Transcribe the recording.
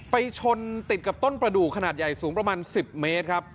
ไปชนติดกับต้นประดูกขนาดใหญ่สูงประมาณ๑๐เมตรครับ